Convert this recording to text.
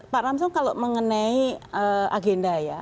pak ramso kalau mengenai agenda ya